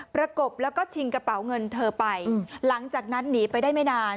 ประกบแล้วก็ชิงกระเป๋าเงินเธอไปหลังจากนั้นหนีไปได้ไม่นาน